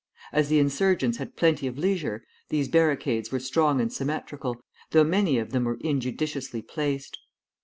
As the insurgents had plenty of leisure, these barricades were strong and symmetrical, though many of them were injudiciously placed.